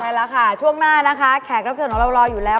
ใช่แล้วค่ะช่วงหน้านะคะแขกรับเชิญของเรารออยู่แล้ว